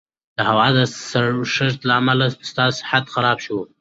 د هوا د سړښت له امله به ستا صحت خراب شي.